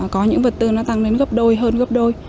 có những vật tư nó tăng lên gấp đôi hơn gấp đôi